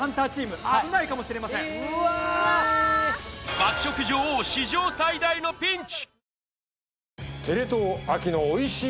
爆食女王史上最大のピンチ！